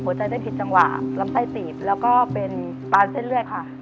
ใจไม่ผิดจังหวะลำไส้ปีบแล้วก็เป็นปานเส้นเลือดค่ะ